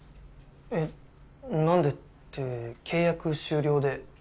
えっなんでって契約終了で。